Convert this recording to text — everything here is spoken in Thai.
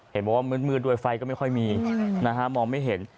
เห็นบอกว่ามืดด้วยไฟก็ไม่ค่อยมีนะฮะมองไม่เห็น